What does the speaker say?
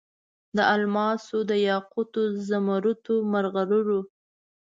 د الماسو، دیاقوتو، زمرودو، مرغلرو